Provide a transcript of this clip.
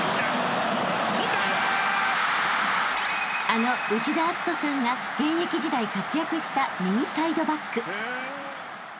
［あの内田篤人さんが現役時代活躍した右サイドバック］